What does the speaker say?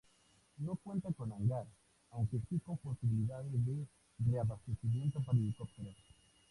No cuenta con hangar, aunque sí con posibilidades de reabastecimiento para helicópteros.